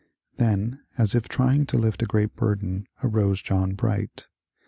Then, as if trying to lift a great burden, arose John Bright.